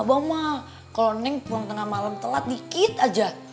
abah mah kalau neng pulang tengah malam telat dikit aja